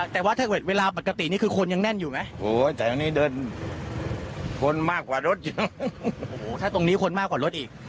แต่ว่าถ้าเกิดเวลาปกตินี่คือคนยังแน่นอยู่ไหมแต่ตรงนี้เดินคนมากกว่ารถเยอะโอ้โหถ้าตรงนี้คนมากกว่ารถอีก